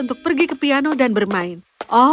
dia berpikir siapa yang membuatnya